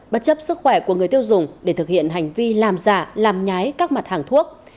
bất chấp sức khỏe của người tiêu dùng để thực hiện hành vi làm giả làm nhái các mặt hàng thuốc